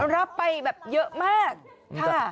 รับไปแบบเยอะมากค่ะ